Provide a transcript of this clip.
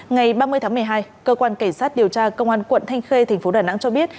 ngày ba mươi tháng một mươi hai cơ quan cảnh sát điều tra công an quận thanh khê thành phố đà nẵng cho biết